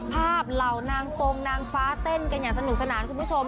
ภาพเหลานางฟองนางฟ้าเต้นอย่างสนุกสนาม